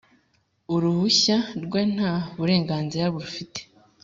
uruhushya rwe nta burenganzira rufite.